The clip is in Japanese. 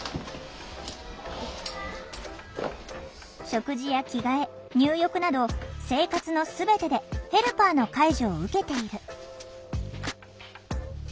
食事や着替え入浴など生活の全てでヘルパーの介助を受けている。